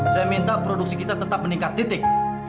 saya minta produksi kita tetap meningkat titik